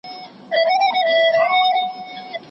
کور زده کړه له فشار څخه پاکه ده.